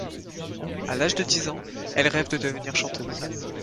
À l'âge de dix ans, elle rêve de devenir chanteuse.